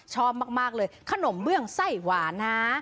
ชอบมากเลยขนมเบื้องไส้หวานนะ